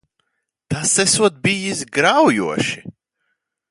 Tas esot bijis graujoši.